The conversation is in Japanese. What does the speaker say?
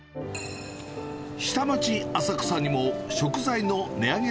下町、浅草にも食材の値上げ